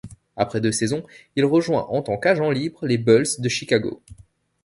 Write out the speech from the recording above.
Après deux saisons, il rejoint en tant qu'agent libre les Bulls de Chicago.